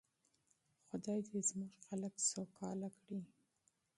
خدای دې زموږ خلک سوکاله کړي.